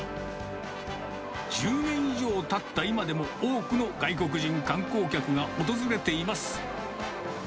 １０年以上たった今でも、多くの外国人観光客が訪れています。